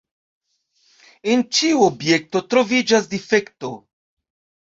En ĉiu objekto troviĝas difekto.